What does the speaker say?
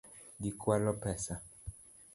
Gikwalo pesa